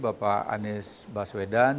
bapak anies baswedan